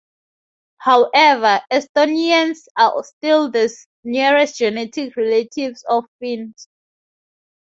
However, Estonians are still the nearest genetic relatives of Finns.